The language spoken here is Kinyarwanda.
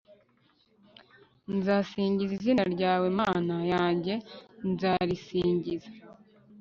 nzasingiza izina ryawe mana yanjye! nzarisingiza